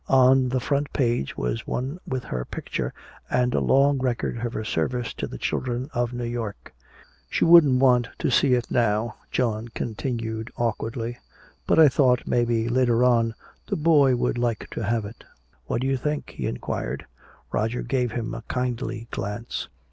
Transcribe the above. On the front page was one with her picture and a long record of her service to the children of New York. "She wouldn't want to see it now," John continued awkwardly. "But I thought maybe later on the boy would like to have it. What do you think?" he inquired. Roger gave him a kindly glance.